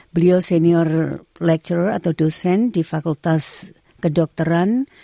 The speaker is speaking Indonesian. beliau senior lecture atau dosen di fakultas kedokteran